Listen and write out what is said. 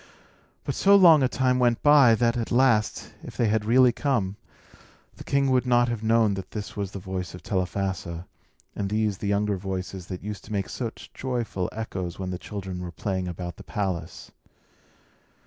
But so long a time went by, that, at last, if they had really come, the king would not have known that this was the voice of Telephassa, and these the younger voices that used to make such joyful echoes when the children were playing about the palace.